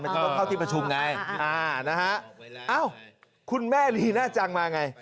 จะต้องเข้าที่ประชุมไงอ่านะฮะเอ้าคุณแม่ลีน่าจังมาไง